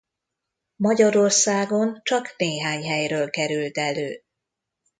Magyarországon csak néhány helyről került elő.